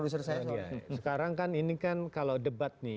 sekarang kan ini kan kalau debat nih